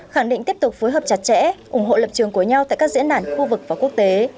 khẳng định tiếp tục phối hợp chặt chẽ ủng hộ lập trường của nhau tại các diễn đàn khu vực và quốc tế